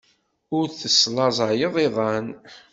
Ur teslaẓayeḍ iḍan.